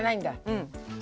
うん。